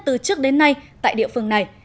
từ trước đến nay tại địa phương này